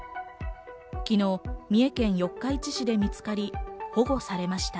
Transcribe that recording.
昨日、三重県四日市市で見つかり保護されました。